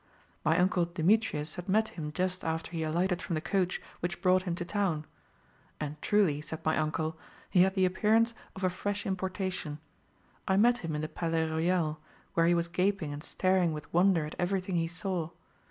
"My uncle Demetrius had met him just after he alighted from the coach which brought him to town; 'And truly.' said my uncle, 'he had the appearance of a fresh importation. I met him in the Palais Royal, where he was gaping and staring with wonder at everything he saw.